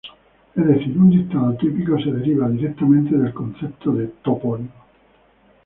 Es decir, un dictado típico se deriva directamente del concepto de topónimo.